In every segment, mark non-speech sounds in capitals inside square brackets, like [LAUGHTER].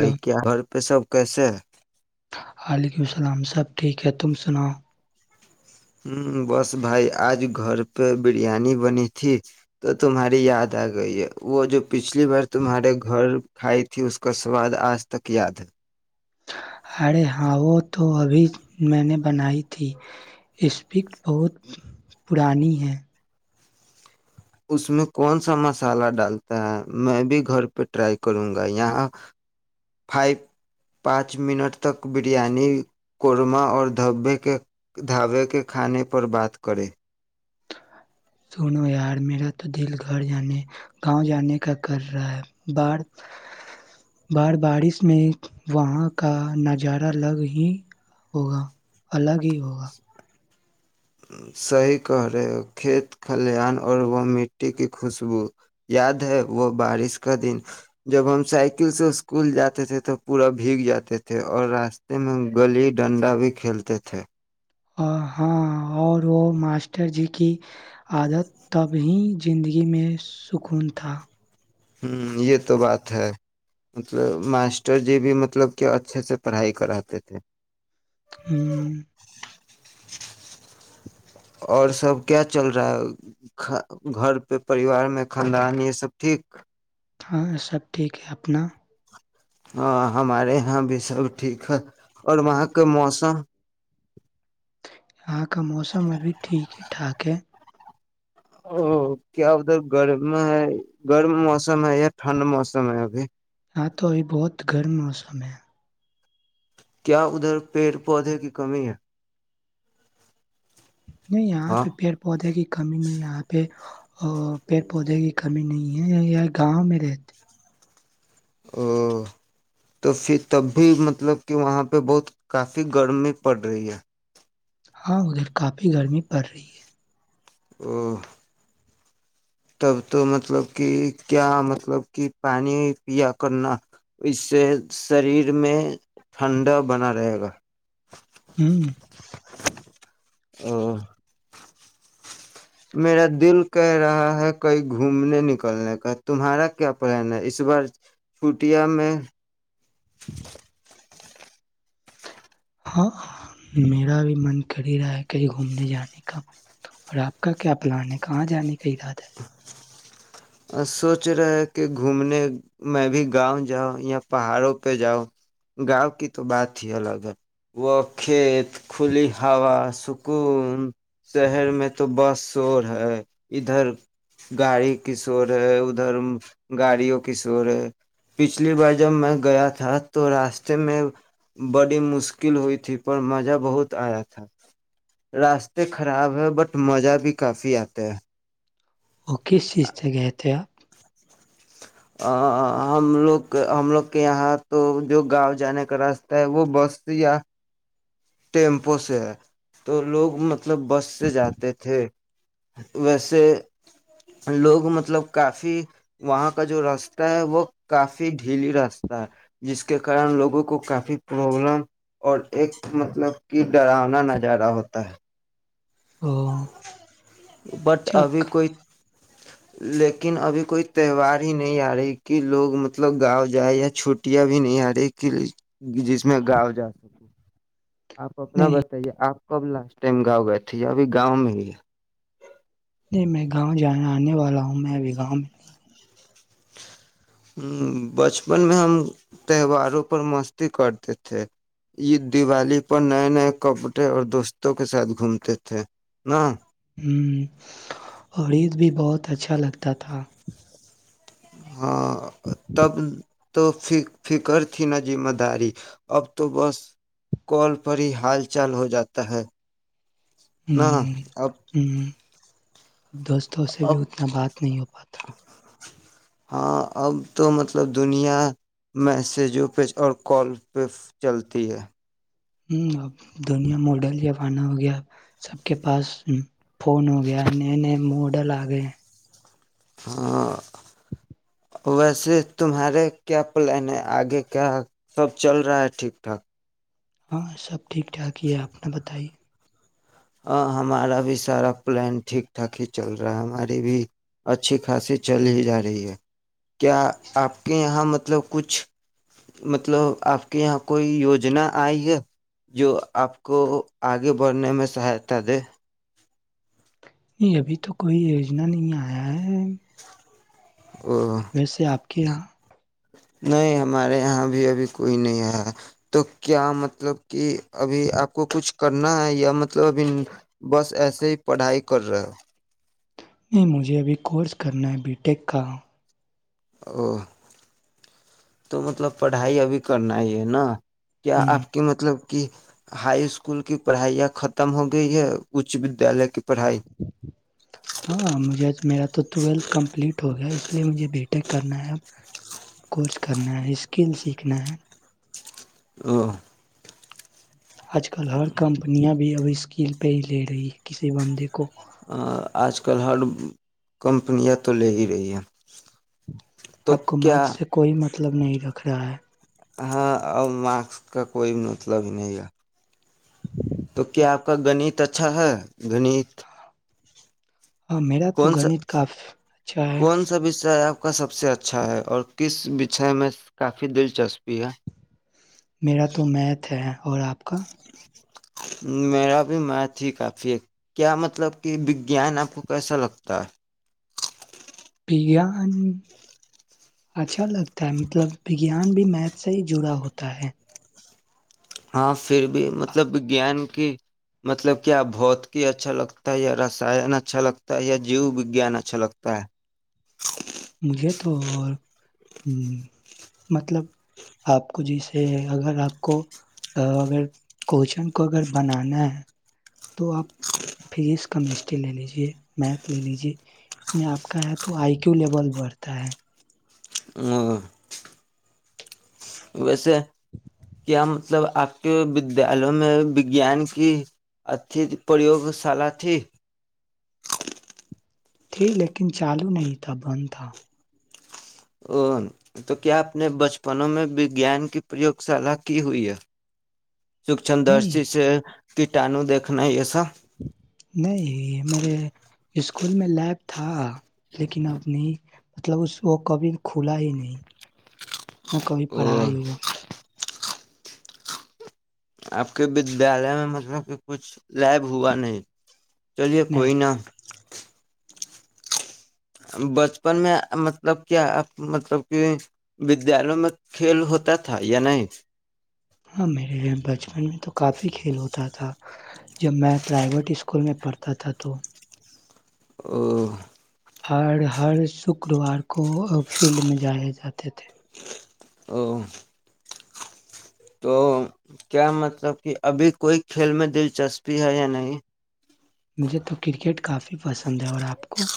Hello آئی کیا گھر پہ سب کیسے ہے؟ وعلیکم السلام سب ٹھیک ہے تم سناؤ ہ بس بھائی آج گھر پہ بریانی بنی تھی تو تمہاری یاد آ گئی ہے وہ جو پچھلی بار تمہارے گھر کھائی تھی اس کا سواد آج تک یاد ہے ارے ہاں وہ تو ابھی میں نے بنائی تھی اسپکٹ بہت پرانی ہے اس میں کون سا مسالہ ڈالتا ہے میں بھی گھر پہ ٹرائی کروں گا یہاں فائیو پانچ منٹ تک بریانی قورمہ اور دھابے کے کھانے پر بات کریں سنو یار میرا تو دل گھر جانے گاؤں جانے کا کر رہا ہے بار بار بارش میں وہاں کا نظارہ الگ ہی ہوگا الگ ہی ہوگا صحیح کہ رہے کھیت کھلیان اور وہ مٹی کی خوشبو یاد ہے وہ بارش کا دن جب ہم سائیکل سے اسکول جاتے تھے تو پورا بھیگ جاتے تھے اور راستے میں گلی ڈنڈا بھی کھیلتے تھے ہاں اور وہ ماسٹر جی کی عادت تب ہی زندگی میں سکون تھا ہوں یہ تو بات ہے مطلب ماسٹر جی بھی مطلب کہ اچھے سے پڑھائی کراتے تھے ہم، اور سب کیا چل رہا ہے ک گھر پہ پریوار میں خاندان یہ سب ٹھیک ہاں سب ٹھیک ہے اپنا ہاں ہمارے یہاں بھی سب ٹھیک ہے اور وہاں کا موسم ٹھاکے [UNINTELLIGIBLE] او کیا ادھر گرم ہے گرم موسم ہے یا ٹھنڈ موسم ہے ابھی ہاں تو ا بہت گٹ موسم ہے کیا ادھر پیڑ پودے کی کمی ہے نہیں یہاں ہاں پہ پیڑ پودے کی کمی نہیں یہاں پہ اور پیڑ پودے کی کمی نہیں ہے یہ گاؤں میں رہتے او تو پھر تب بھی مطلب کہ وہاں پہ بہت کافی گرمی پڑ رہی ہے ہاں ادھر کافی گرمی پڑ رہی ہے ا [UNINTELLIGIBLE] تب تو مطلب کہ کیا مطلب کہ پانی پیا کرنا اس سے شریر میں ٹھنڈا بنا رہے گا ہوں ا [INAUDIBLE] میرا دل کہہ رہا ہے کہیں گھومنے نکلنے کا تمہارا کیا پلان ہے اس بار چوٹیا میں ج [INAUDIBLE] ہاں میرا بھی من کر ہی رہا ہے کہیں گھومنے جانے کا اور آپ کا کیا پلان ہے کہاں جانے کا ارادہ ہے سوچ رہے ہے کہ گھومنے میں بھی گاؤں جاؤ یا پہاڑوں پہ جاؤ گاؤں کی تو بات ہی الگ ہے وہ کھیت کھلی ہوا سکون شہر میں تو بس شور ہے ادھر گاڑی کی شور ہے ادھر گاڑیوں کی شور ہے پچھلی بار جب میں گیا تھا تو راستے میں بڑی مشکل ہوئی تھی پر مزہ بہت آیا تھا راستے خراب ہے بٹ مزہ بھی کافی آتا ہے وہ کس چیز سے گئے تھے آپ ہم لوگ ہم لوگ کے یہاں تو جو گاؤں جانے کا راستہ ہے وہ بس یا ٹیمپو سے ہے تو لوگ مطلب بس سے جاتے تھے ویسے لوگ مطلب کافی وہاں کا جو راستہ ہے وہ کافی ڈھیلی راستہ ہے جس کے کارن لوگوں کو کافی پرابلم اور ایک مطلب کہ ڈراننا ن جارا ہوتا ہے او بٹ اچھا آپ ابھی کا کوئی لیکن ابھی کوئی تہوار ہی نہیں آ رہی کہ لوگ مطلب گاؤں جائیں یا چھٹیاں بھی نہیں آ رہی کہ جس میں گاؤں جا سکے آپ اپنا نہیں بتائیے آپ کب لاسٹ ٹائم گاؤں گئے تھے ابھی گاؤں میں ہی ہے نہیں میں گاؤں جان آنے والا ہوں میں ابھی گاؤں میں نہیں ہوں ہ بچپن میں ہم تہواروں پر مستی کرتے تھے عید دیوالی پر نئے نئے کپڑے اور دوستوں کے ساتھ گھومتے تھے ن ہمم اور عید بھی بہت اچھا لگتا تھا ہاں تب تو فکر تھی نہ ذمہ داری اب تو بس کال پر ہی حال چال ہو جاتا ہے نا ہمم اب ہمم اب دوستوں سے بھی اب اتنا بات نہیں ہو پاتا ہاں اب تو مطلب دنیا میسجوں پہ اور کال پہ چلتی ہے ہ ا دنیا ماڈل یا فانا ہو گیا سب کے پاس فون ہو گیا نئے نئے ماڈل آ گئے ہیں ہاں ویسے تمہارے کیا پلان ہے آگے کیا سب چل رہا ہے ٹھیک ٹھاک ہاں سب ٹھیک ٹھاک ہی ہے آپ نے بتائی ہ ہمارا بھی سارا پلان ٹھیک ٹھاک ہی چل رہا ہے ہماری بھی اچھی خاصی چل ہی جا رہی ہے کیا آپ کے یہاں مت مطلب کچھ مطلب آپ کے یہاں کوئی یوجنا آئی ہے جو آپ کو آگے بڑھنے میں [INAUDIBLE] نہیں ابھی تو کوئی یوجنا نہیں آیا ہے ویسے آپ کو کیا نہیں ہمارے یہاں بھی ابھی کوئی نہیں ہے تو کیا مطلب کہ ابھی آپ کو کچھ کرنا ہے یا مطلب ابھی بس ایسے ہی پڑھائی کر رہے ہو نہیں مجھے ابھی کورس کرنا ہے بی ٹیک کا او تو مطلب پڑھائی ابھی کرنا ہی ہے نا کیا ہ آپ کے مطلب کہ ہائی اسکول کی پڑھائیاں ختم ہو گئی ہے اچ ودیالیہ کے ہاں مجھے میرا تو ٹویلتھ کمپلیٹ ہو گیا اس لیے مجھے بی کرنا ہے کورس کرنا ہے اسکل سیکھنا ہے [INAUDIBLE] آج کل ہر کمپنییاں بھی ابھی اسکیل پہ ہی لے رہی ہے کسی بندے کو آج کل ہر کمپنیاں تو لے ہی رہی ہے تو آپ کو مارک کیا سے کوئی مت مطلب نہیں رکھ رہا ہے ہاں اور ماسک کا کوئی مطلب نہیں ہے تو کیا آپ کا گنت اچھا ہے گنیت ہاں میرا تو گنیت کاف اچھا ہے کون سا وشے آپ کا سب سے اچھا ہے اور کس وشے میں کافی دلچسپی ہے میرا تو میتھ ہے اور آپ کا میرا بھی مات ہی کافی کیا مطلب کہ وگیان آپ کو کیسا لگتا ہے وگیان اچھا لگتا ہے مطلب وگیان بھی میتھ سے ہی جڑا ہوتا ہے ہاں پھر بھی مطلب وگیان کی مطلب کیا بھوت کی اچھا لگتا ہے یا رسان اچھا لگتا ہے یا جیو وگان اچھا لگتا ہے مجھے تو ہ مطلب آپ کو جیسے اگر آپ کو اگر کوچن کو اگر بنانا ہے تو آپ فزکس کیمسٹری لے لیجے میتھ لے لیجے اس میں آپ کا تو آئی کیو لیول بڑھتا ہے [INAUDIBLE] [INAUDIBLE] ویسے کیا مطلب آپ کے ودیالوں میں وجان کی اھی پریوگ شال تھی تھی لیکن چالو نہیں تھا بند تھا ا تو کیا آپ نے بچپنوں میں وگان کی پریوگ شالا کی ہوئی ہے سوکچند درش نہیں سے کٹاانو دیکھنا یہ سب نہیں میرے اسکول میں لیب تھا لیکن اب نہیں مطلب اس کو کبھی کھلا ہی نہیں نہ کبھی او پڑھا ہی ہوا آپ کے ودیالیہ میں مطلب کہ کچھ لیب ہوا نہیں چلیے کوئی نہیں نا بچپن میں مطلب کیا مطلب کہ ودیالوں میں کھیل ہوتا تھا یا نہیں ہاں میرے بچپن میں تو کافی کھیل ہوتا تھا جب میں پرائیویٹ اسکول میں پڑھتا تھا تو [INAUDIBLE] [INAUDIBLE] ہر ہر شکروار کو فیلڈ میں جائے جاتے تھے [INAUDIBLE] [INAUDIBLE] تو کیا مطلب کہ ابھی کوئی کھیل میں دلچسپی ہے یا نہیں مجھے تو کرکٹ کافی پسند ہے اور آپ کو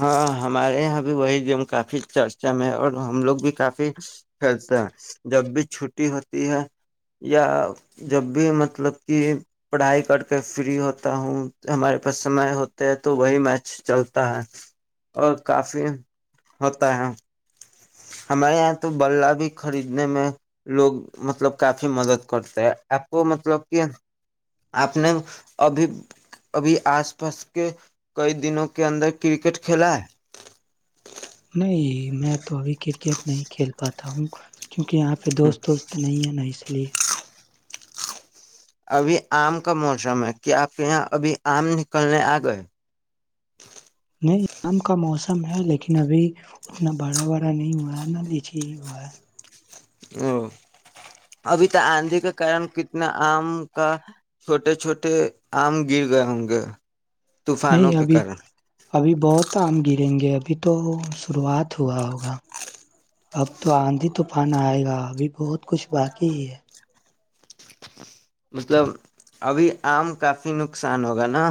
ہاں ہمارے یہاں وہی گیم کافی چرچا میں ہے اور ہم لوگ بھی کافی کھیلتے ہیں جب بھی چھٹی ہوتی ہے یا جب بھی مطلب کہ پڑھائی کر کے فری ہوتا ہوں ہمارے پاس سمے ہوتا ہے تو وہی میں چلتا ہے اور کافی ہوتا ہے ہمارے یہاں تو بلہ بھی خریدنے میں لوگ مطلب کافی مدد کرتے ہیں آپ کو مطلب کہ آپ نے ابھی ابھی آس پاس کے کئی دنوں کے اندر کرکٹ کھیلا ہے نہیں میں تو ابھی کرکٹ نہیں کھیل پاتا ہوں کیونکہ یہاں پہ دوست وست تو نہیں ہے نا اس لیے ابھی آم کا موسم ہے کیا آپ کے یہاں ابھی آم نکلنے آ گئے نہیں آم کا موسم ہے لیکن ابھی اتنا بڑا وارا نہیں ہوا ہے نہ لیچی ہی ہوا ہے ا ابھی تو آندھی کے کارن کتنا آم کا چھوٹے چھوٹے آم گر گئے ہوں گے نہیں طوفانوں کے ابھی کارن ابھی بہت آم گریں گے اب ابھی تو شروعات ہوا ہوگا اب تو آندھی طوفان آئے گا ابھی بہت کچھ باقی ہی ہے مطلب ابھی آم کافی نقصان ہوگا نا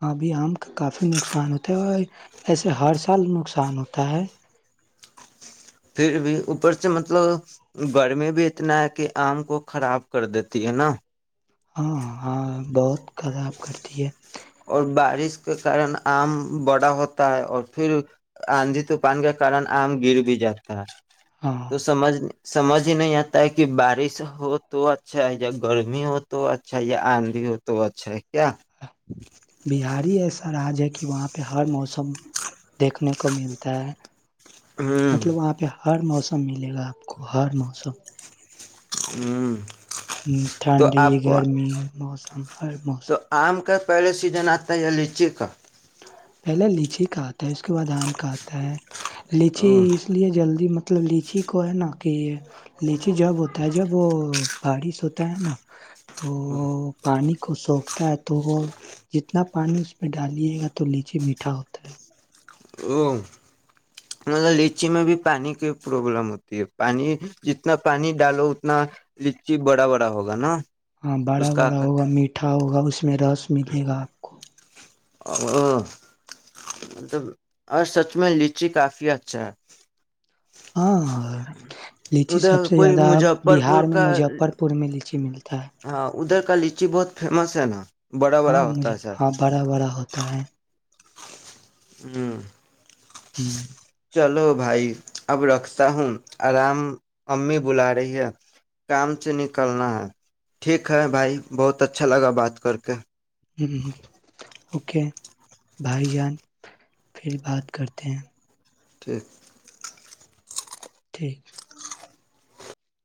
ہاں ابھی آم کافی نقصان ہوتا ہے اور ایسے ہر سال نقصان ہوتا ہے پھر بھی اوپر سے مطلب گرمی بھی اتنا ہے کہ آم کو خراب کر دیتی ہے نا ہاں ہاں بہت خراب کرتی ہے اور بارش کے کن آم بڑا ہوتا ہے اور پھر آندھی طو پان کے کن آم گر بھی جاتا ہے ہاں تو سمجھ نں سمجھ ہی نہیں آتا ہے کہ بارش ہو تو اچھا ہے یا گرمی ہو تو اچھا ہے یا آندھی ہو تو اچھا ہے کیا بہاری ہی ایسا آج ہے کہ وہاں پہ ہر موسم دیکھنے کو ملتا ہے ہ مطلب وہاں پہ ہر موسم ملے گا گہار موسم ہوں [UNINTELLIGIBLE] ہ تو ٹھنڈی آپ کو گرمی موسم ہر موسم پہلاے سیزن آتا یہ لی چےیک پہلے لیچی کا آتا ہے اس کے بعد آم کا آتا ہے لیچے اس لیے جلدی مت مطلب لیچی کو ہے نا کہ یہ لیچی جب ہوتا ہے جب وہ بارش ہوتا ہے نا تو پانی کو سوکھتا ہے تو وہ جتنا پانی اس پہ ڈالیے گا تو لیچی میٹا ہوتا ہے ا مطلب لچی میں بھی پانی کی پرابلم ہوتی ہے پانی جتنا پانی ڈالو اتنا لچی بڑا بڑا ہوگا نا ہاں بڑا اس کا بڑا ہوگا میٹھا ہوگا اس میں رس ملے گا آپ کو ا مطلب اور سچ میں لچی کافی اچھا ہے ہاں لچی سب ادھر سے کوئی زیادہ مظفر بہار پور میں کا مظفر پور میں لچی ملتی ہاں ادھر کا ل لیچی بہت فیمس ہے نا بڑا بڑا ہاں ہوتا مجھے ہے سر ہاں بڑا بڑا ہوتا ہے ہوں ہوں چلو بھائی اب رکھتا ہوں آرام امی بلا رہی ہے کام سے نکلنا ہے ٹھیک ہے بھائی بہت اچھا لگا بات کر کے ہ اوکے بھائی جان پھر بات کرتے ہیں ٹھیک ٹھیک